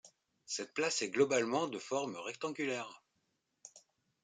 Cette place est globalement de forme rectangulaire.